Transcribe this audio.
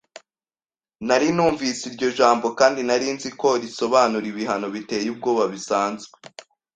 Nari numvise iryo jambo, kandi nari nzi ko risobanura ibihano biteye ubwoba bisanzwe